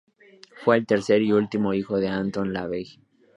Fue el tercer y último hijo de Anton LaVey.